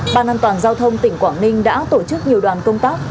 ban an toàn giao thông tỉnh quảng ninh đã tổ chức nhiều đoàn công tác